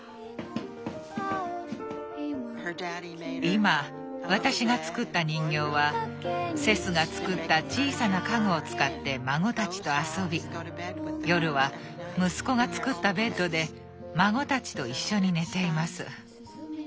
今私が作った人形はセスが作った小さな家具を使って孫たちと遊び夜は息子が作ったベッドで孫たちと一緒に寝ています。